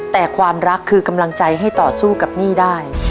แต่ความรักคือกำลังใจให้ต่อสู้กับหนี้ได้